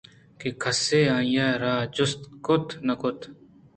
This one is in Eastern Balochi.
کس ءَ آئی ءَ رااجست کُت نہ کُت